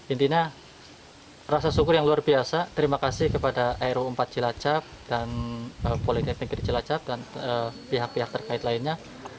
intinya rasa syukur yang luar biasa terima kasih kepada aero empat cilacap dan poligai pinggir cilacap dan pihak pihak terkait lainnya